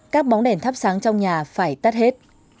các bóng đèn thắp sáng trong nhà phải tắt hết